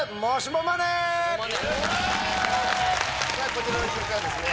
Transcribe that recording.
こちらの企画はですね